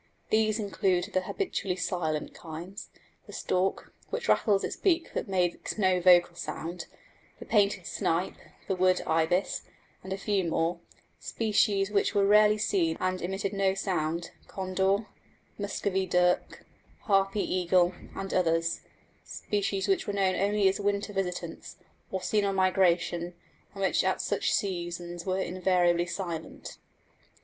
These include the habitually silent kinds the stork, which rattles its beak but makes no vocal sound, the painted snipe, the wood ibis, and a few more; species which were rarely seen and emitted no sound condor, Muscovy duck, harpy eagle, and others; species which were known only as winter visitants, or seen on migration, and which at such seasons were invariably silent.